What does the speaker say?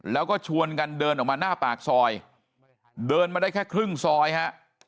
แล้วก็ชวนกันเดินออกมาหน้าปากซอยเดินมาได้แค่ครึ่งซอยฮะ